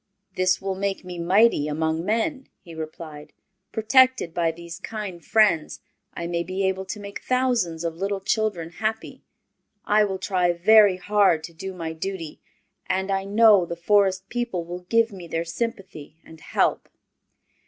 "This will make me mighty among men," he replied. "Protected by these kind friends I may be able to make thousands of little children happy. I will try very hard to do my duty, and I know the Forest people will give me their sympathy and help."